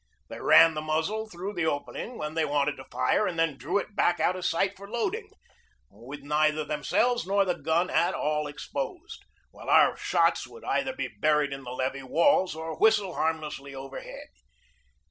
They ran the muzzle through the opening when they wanted to fire and then drew it back out of sight for loading, with neither themselves nor the gun at all exposed, while our shots would either be buried in the levee walls or whistle harmlessly overhead.